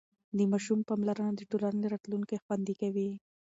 د ماشوم پاملرنه د ټولنې راتلونکی خوندي کوي.